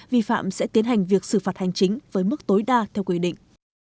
vi phạm sẽ tiến hành việc xử phạt hành chính với mức tối đa theo quy định